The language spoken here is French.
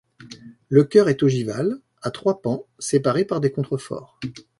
Le chœur est ogival, à trois pans séparés par des contreforts.